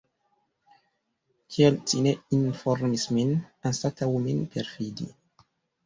Kial ci ne informis min, anstataŭ min perfidi?